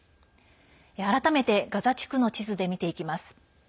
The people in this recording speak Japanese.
改めて、ガザ地区の地図で見ていきます。